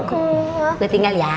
gue tinggal ya